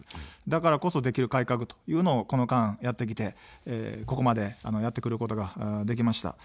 だからこそ、できる改革というのを、この間やってきて、ここまでやってくることができました。